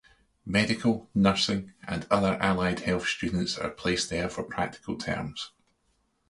Medical, nursing, and other allied health students are placed there for practical terms.